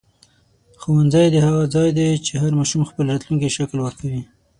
ښوونځی د هغه ځای دی چې هر ماشوم خپل راتلونکی شکل ورکوي.